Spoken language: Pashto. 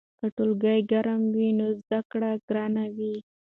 که ټولګی ګرم وي نو زده کړه ګرانه وي.